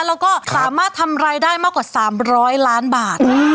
แล้วก็สามารถทำรายได้มากกว่า๓๐๐ล้านบาท